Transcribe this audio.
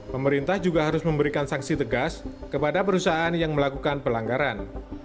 pemerintah juga harus memberikan sanksi tegas kepada perusahaan yang melakukan pelanggaran